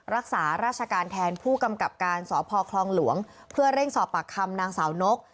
รักษาราชการแทนผู้กำกับการสพคลองหลวงเพื่อเร่งสอบปากคำนางสาวนก